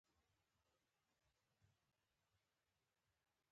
د فرانسې انقلاب د تاریخ بل هغه حساس پړاو و.